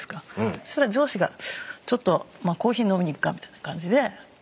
そしたら上司が「ちょっとコーヒー飲みに行くか」みたいな感じで。